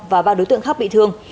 và ba đối tượng khác bị thương